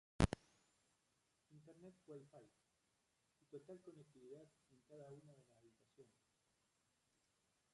Internet WiFi y total conectividad en cada una de las habitaciones.